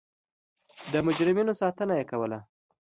د مجرمینو ساتنه یې کوله.